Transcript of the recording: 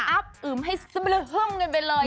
อับอึมให้ซึบละหึ้งกันไปเลย